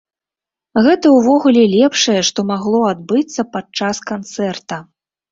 Гэта ўвогуле лепшае, што магло адбыцца падчас канцэрта!